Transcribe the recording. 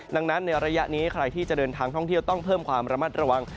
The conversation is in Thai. ดังนั้นในระยะนี้ใครที่จะเดินทางท่องเที่ยวต้องเพิ่มความระมัดระวัง